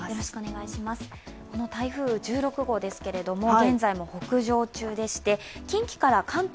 この台風１６号ですけれども現在も北上中でして、近畿から関東